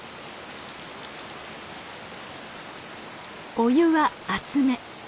お湯は熱め。